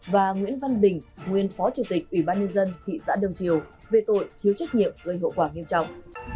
và nguyễn văn bình nguyên phó chủ tịch ủy ban nhân dân thị xã đông triều về tội thiếu trách nhiệm gây hậu quả nghiêm trọng